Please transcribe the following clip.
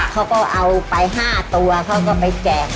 เขาก็เอาไป๕ตัวเขาก็ไปแจก